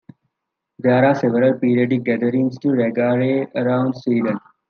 There are several periodic gatherings for raggare around Sweden.